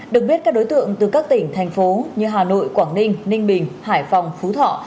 được biết các đối tượng từ các tỉnh thành phố như hà nội quảng ninh ninh bình hải phòng phú thọ